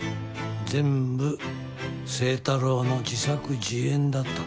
全部星太郎の自作自演だったんだよ。